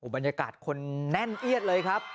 บรรยากาศคนแน่นเอียดเลยครับ